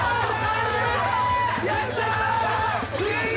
やったー！